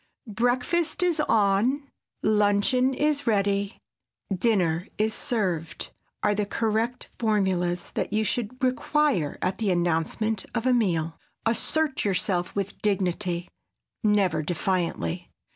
"Breakfast is on," "Luncheon is ready," "Dinner is served" are the correct formulas that you should require at the announcement of a meal. Assert yourself with dignity, never defiantly.